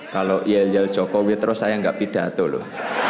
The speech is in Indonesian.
kalau yel yel jokowi terus saya enggak pindah tuh